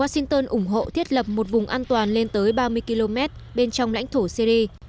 washington ủng hộ thiết lập một vùng an toàn lên tới ba mươi km bên trong lãnh thổ syri